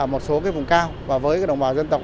một số vùng cao và với đồng bào dân tộc